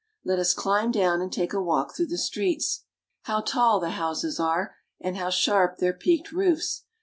Let us climb down and take a walk through the streets. How tall the houses are and how sharp their peaked roofs!